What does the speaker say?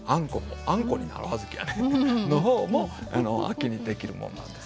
あんこになる小豆やねの方も秋にできるもんなんです。